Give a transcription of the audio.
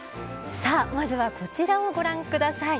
さあまずはこちらをご覧ください。